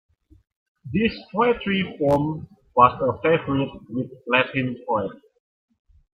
This poetry form was a favorite with Latin poets.